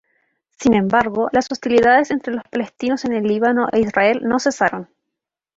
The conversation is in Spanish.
Sin embargo, las hostilidades entre los palestinos en el Líbano e Israel no cesaron.